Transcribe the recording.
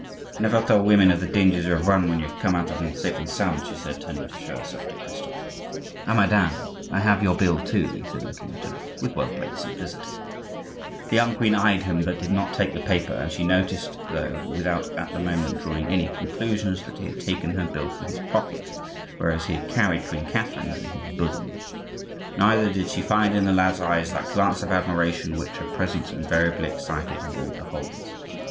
"Never tell women of the dangers you have run when you have come out of them safe and sound," she said, turning to show herself to Christophe. "Ah! madame, I have your bill, too," he said, looking at her with well played simplicity. The young queen eyed him, but did not take the paper; and she noticed, though without at the moment drawing any conclusions, that he had taken her bill from his pocket, whereas he had carried Queen Catherine's in his bosom. Neither did she find in the lad's eyes that glance of admiration which her presence invariably excited in all beholders.